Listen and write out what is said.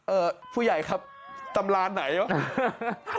ผู้ใหญ่ครับตำรานไหนวะ